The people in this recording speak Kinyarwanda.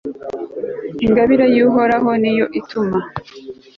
ingabire y'uhoraho, niyo ituma